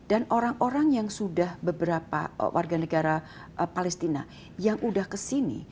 dan orang orang yang sudah beberapa warga negara palestina yang sudah ke sini